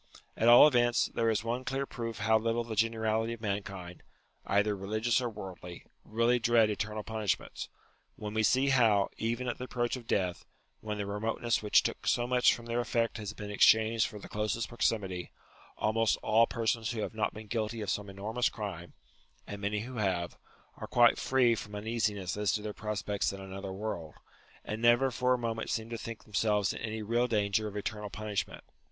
At all events, there is one clear proof how little the generality of mankind, either religious or worldly, really dread eternal punishments, when we see how, even at the approach of death, when the re moteness which took so much from their effect has been exchanged for the closest proximity, almost all persons who have not been guilty of some enormous crime (and many who have) are quite free from un easiness as to their prospects in another world, and never for a moment seem to think themselves in any real danger of eternal punishment.